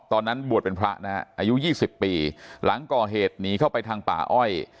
ตอนนั้นบวชเป็นพระนะฮะอายุ๒๐ปีหลังก่อเหตุหนีเข้าไปทางป่าอ้อย